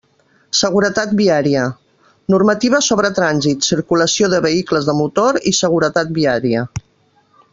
Seguretat viaria: normativa sobre trànsit, circulació de vehicles de motor i seguretat viaria.